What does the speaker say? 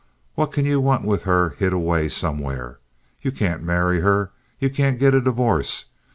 What can ye want with her hid away somewhere? Ye can't marry her. Ye can't get a divorce.